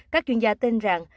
các chuyên gia tên rằng